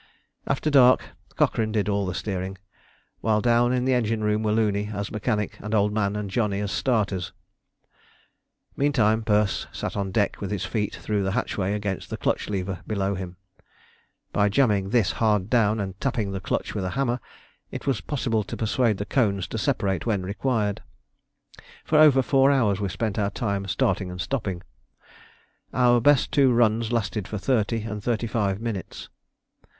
After dark, Cochrane did all the steering; while down in the engine room were Looney as mechanic, and Old Man and Johnny as starters. Meantime, Perce sat on deck with his feet through the hatchway against the clutch lever below him. By jamming this hard down, and tapping the clutch with a hammer, it was possible to persuade the cones to separate when required. For over four hours we spent our time starting and stopping. Our two best runs lasted for thirty and thirty five minutes.